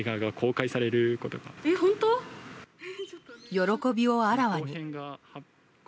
喜びをあらわに。